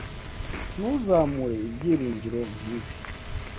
Ntuzamure ibyiringiro nkibi.